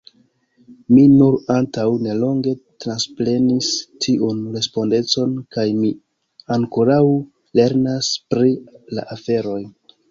Mi nur antaŭ nelonge transprenis tiun respondecon kaj mi ankoraŭ lernas pri la aferoj.